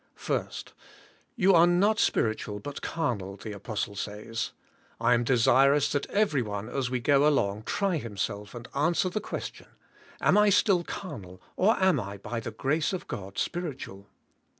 1. You are not spiritual but carnal, the apostle says. I am desirous that everyone as we g o along try himself and answer the question, "Am I still carnal, or am I by the grace of God spiritual?"